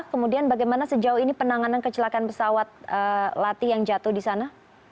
kemudian bagaimana sejauh ini penanganan kecelakaan pesawat latih yang jatuh di sana